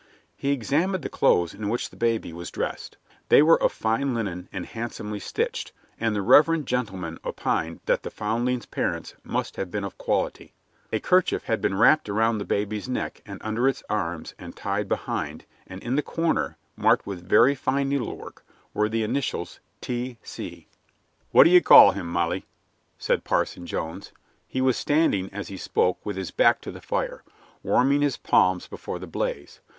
He examined the clothes in which the baby was dressed. They were of fine linen and handsomely stitched, and the reverend gentleman opined that the foundling's parents must have been of quality. A kerchief had been wrapped around the baby's neck and under its arms and tied behind, and in the corner, marked with very fine needlework, were the initials T. C. "What d'ye call him, Molly?" said Parson Jones. He was standing, as he spoke, with his back to the fire, warming his palms before the blaze.